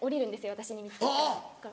私に見つかったら。